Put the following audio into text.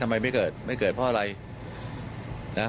ร่วมกัน